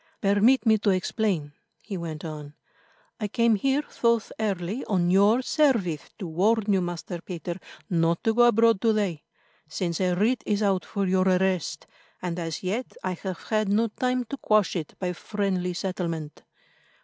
"Permit me to explain," he went on. "I came here thus early on your service, to warn you, Master Peter, not to go abroad to day, since a writ is out for your arrest, and as yet I have had no time to quash it by friendly settlement.